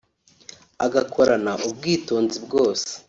agakorana ubwitonzi bwose